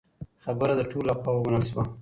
خبره د ټولو له خوا ومنل شوه.